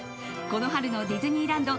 この春のディズニーランド